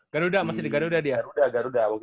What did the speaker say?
garuda masih di garuda di garuda garuda